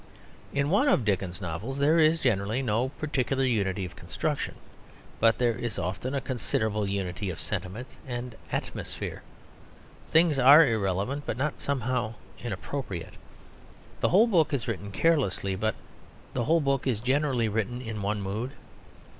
In one of Dickens's novels there is generally no particular unity of construction; but there is often a considerable unity of sentiment and atmosphere. Things are irrelevant, but not somehow inappropriate. The whole book is written carelessly; but the whole book is generally written in one mood.